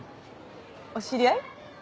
お知り合い？